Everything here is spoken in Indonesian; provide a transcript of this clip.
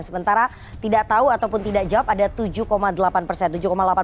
sementara tidak tahu ataupun tidak jawab ada tujuh delapan persen